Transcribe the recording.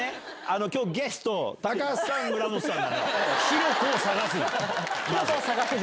今日ゲスト高橋さん村元さんなの。